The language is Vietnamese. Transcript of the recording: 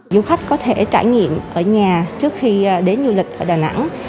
du khách có thể trải nghiệm ở nhà trước khi đến du lịch ở đà nẵng